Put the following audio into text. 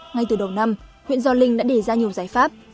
ngay từ đầu năm huyện gio linh đã đề ra nhiều giải pháp